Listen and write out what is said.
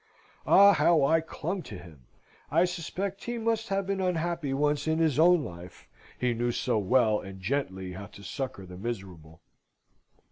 Ah, how I clung to him! I suspect he must have been unhappy once in his own life, he knew so well and gently how to succour the miserable.